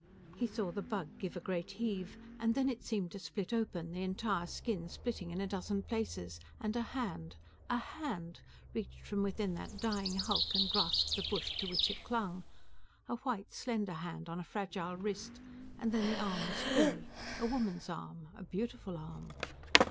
He saw the Bug give a great heave, and then it seemed to split open, the entire skin splitting in a dozen places and a hand ... A HAND reached from within that dying hulk and grasped the bush to which it clung. A white slender hand on a fragile wrist, and then the arm was free, a woman's arm, a beautiful arm.